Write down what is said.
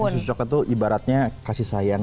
musik coklat itu ibaratnya kasih sayang